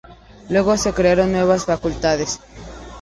Luego, se crearon nuevas facultades.